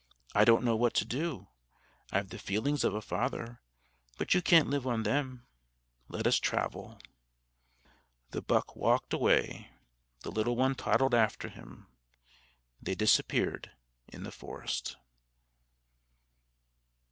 I don't know what to do. I've the feelings of a father; but you can't live on them. Let us travel." The buck walked away: the little one toddled after him. They disappeared in the forest.